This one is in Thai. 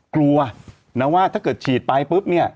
กลัวนะว่าถ้าเกิดฉีดไปปุ๊บเนี่ย